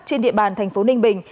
trên địa bàn thành phố ninh bình